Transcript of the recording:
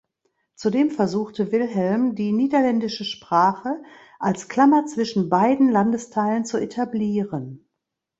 Zudem versuchte Wilhelm, die niederländische Sprache als Klammer zwischen beiden Landesteilen zu etablieren.